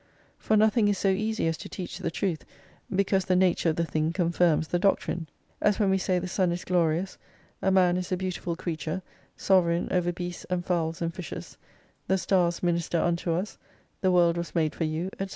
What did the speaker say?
For nothing is so easy as to teach the truth because the nature of the thing confirms the doctrine : As when we say the sun is glorious, a man is a beautiful creature, sovereign over beasts and fowls and fishes, the stars minister unto us, the world was made for you, &c.